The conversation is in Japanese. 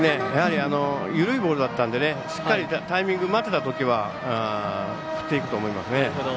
緩いボールだったのでしっかりタイミングを待っていたときは振っていくと思います。